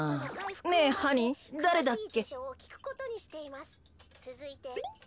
ねえハニーだれだっけ？